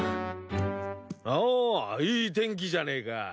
おいい天気じゃねえか。